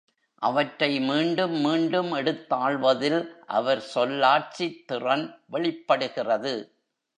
அவற்றை மீண்டும் மீண்டும் எடுத்தாள்வதில் அவர் சொல்லாட்சித் திறன் வெளிப்படுகிறது.